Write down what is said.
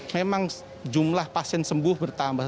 memang jumlah pasien sembuh bertambah